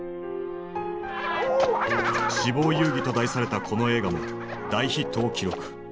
「死亡遊戯」と題されたこの映画も大ヒットを記録。